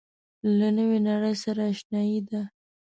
له نوې نړۍ سره آشنايي ده.